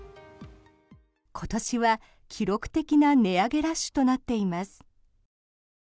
今年は記録的な値上げラッシュとなっています。